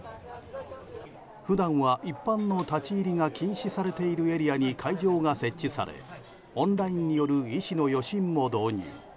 普段は一般人は立ち入りが禁止されているエリアに会場が設置されオンラインによる医師の予診も導入。